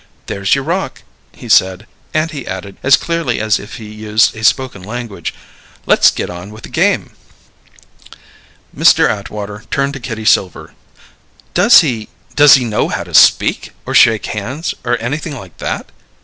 "There's your rock," he said. And he added, as clearly as if he used a spoken language, "Let's get on with the game!" Mr. Atwater turned to Kitty Silver. "Does he does he know how to speak, or shake hands, or anything like that?"